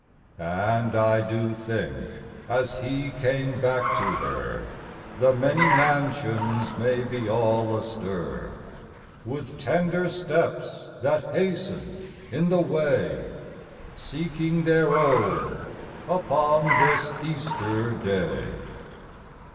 And I do think, as He came back to her, The many mansions may be all astir With tender steps that hasten in the way, Seeking their own upon this Easter Day.